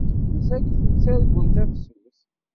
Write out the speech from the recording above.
Mazal-iten ttargun tafsut.